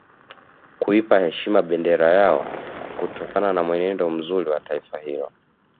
Kuipa heshima bendera yao kutokana na mwenendo mzuri wa taifa hilo